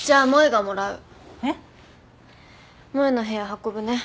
萌の部屋運ぶね。